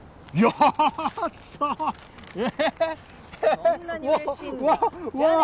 そんなにうれしいんだじゃあね。